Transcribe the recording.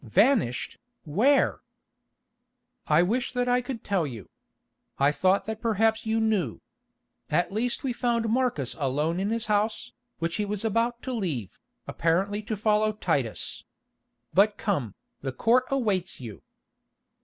"Vanished! Where?" "I wish that I could tell you. I thought that perhaps you knew. At least we found Marcus alone in his house, which he was about to leave, apparently to follow Titus. But come, the court awaits you."